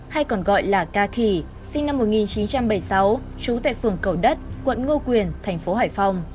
hay còn gọi là ca khì sinh năm một nghìn chín trăm bảy mươi sáu trú tại phường cầu đất quận ngô quyền thành phố hải phòng